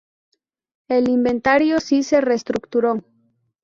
El inventario sí se reestructuró.